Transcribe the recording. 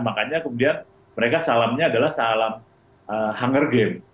makanya kemudian mereka salamnya adalah salam hunger games